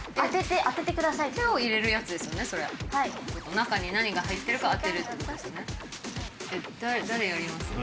中に何が入ってるか当てるって事ですよね？